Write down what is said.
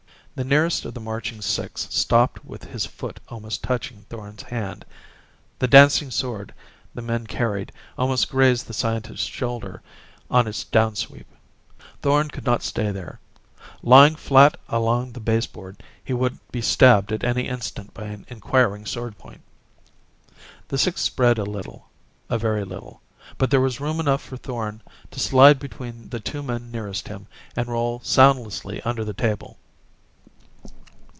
The nearest of the marching six stopped with his foot almost touching Thorn's hand. The dancing sword the man carried almost grazed the scientist's shoulder on its down sweep. Thorn could not stay there. Lying flat along the baseboard, he would be stabbed at any instant by an inquiring sword point. The six spread a little. A very little. But there was room enough for Thorn to slide between the two men nearest him and roll soundlessly under the table.